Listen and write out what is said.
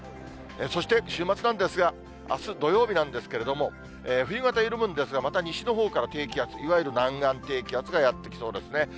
そして週末なんですが、あす土曜日なんですけれども、冬型緩むんですが、また西のほうから低気圧、いわゆる南岸低気圧がやって来そうですね。